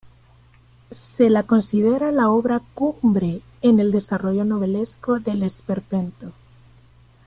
Se la considera la obra cumbre en el desarrollo novelesco del Esperpento.